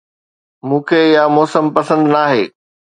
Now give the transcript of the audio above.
مون کي اها موسم پسند ناهي